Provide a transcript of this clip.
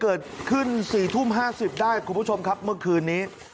เกิดขึ้น๔๕๐นได้ครับคุณผู้ชมครับเมื่อคืนนี้